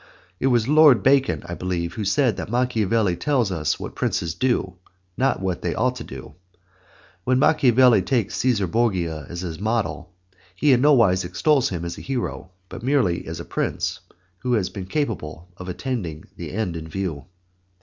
It was Lord Bacon, I believe, who said that Machiavelli tells us what princes do, not what they ought to do. When Machiavelli takes Cæsar Borgia as a model, he in nowise extols him as a hero, but merely as a prince who was capable of attaining the end in view.